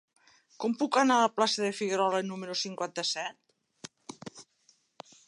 Com puc anar a la plaça de Figuerola número cinquanta-set?